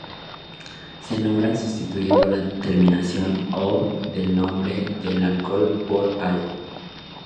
Se nombran sustituyendo la terminación -ol del nombre del alcohol por -al.